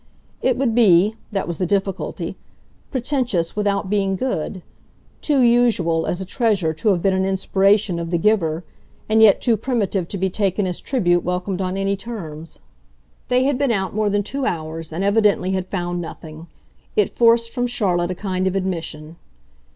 It would be that was the difficulty pretentious without being "good"; too usual, as a treasure, to have been an inspiration of the giver, and yet too primitive to be taken as tribute welcome on any terms. They had been out more than two hours and, evidently, had found nothing. It forced from Charlotte a kind of admission.